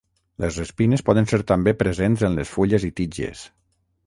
Les espines poden ser també presents en les fulles i tiges.